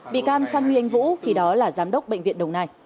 bị can phan huy anh vũ khi đó là giám đốc bệnh viện đồng nai